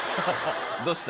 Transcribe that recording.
どうした？